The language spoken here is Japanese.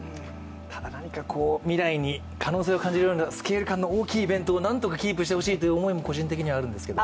ただ未来に可能性を感じるようなスケール感の大きいイベントをキープしてたほしいという個人の思いもあるんですけれども。